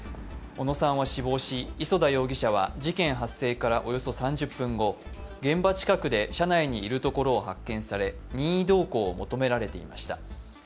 小野さんは死亡し、磯田容疑者は事件発生からおよそ３０分後現場近くで車内にいるところを発見され、任意同行を求められていました。